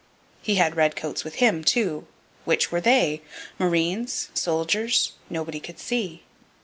He had redcoats with him, too. Which were they? Marines? Soldiers? Nobody could see.